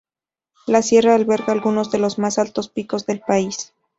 La sierra alberga algunos de los más altos picos del país.